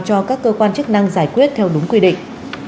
cho các cơ quan chức năng giải quyết theo đúng quy định